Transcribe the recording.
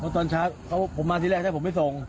เพราะตอนช้าเขาบอกว่าผมมาที่แรกแต่ผมไม่ทรง